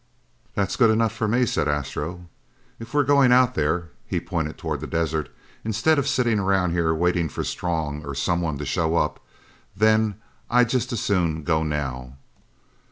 "That's good enough for me," said Astro. "If we're going out there" he pointed toward the desert "instead of sitting around here waiting for Strong or someone to show up, then I'd just as soon go now!"